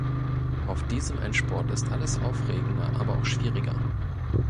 Auf diesem Endspurt ist alles aufregender, aber auch schwieriger.